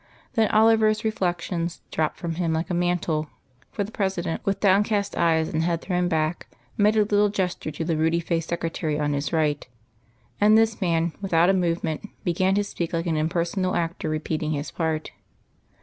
Then Oliver's reflections dropped from him like a mantle, for the President, with downcast eyes and head thrown back, made a little gesture to the ruddy faced secretary on His right; and this man, without a movement, began to speak like an impersonal actor repeating his part.